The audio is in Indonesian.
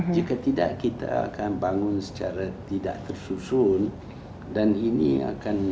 jika tidak kita akan bangun secara tidak tersusun dan ini akan menjadi kurang efisien